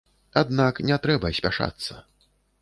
Аднак не трэба спяшацца.